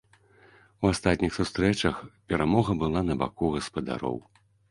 У астатніх сустрэчах перамога была на баку гаспадароў.